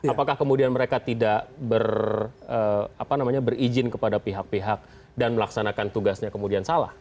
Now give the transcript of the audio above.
apakah kemudian mereka tidak berizin kepada pihak pihak dan melaksanakan tugasnya kemudian salah